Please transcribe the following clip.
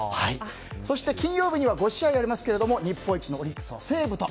そして金曜日には５試合ありますけども日本一のオリックスは西武と。